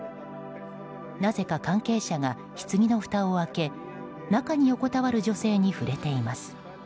なぜか関係者がひつぎのふたを開け中に横たわる女性に触れています。